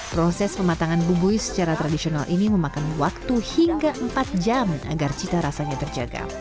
proses pematangan bumbui secara tradisional ini memakan waktu hingga empat jam agar cita rasanya terjaga